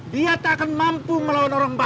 dia tak akan mampu melawan orang baru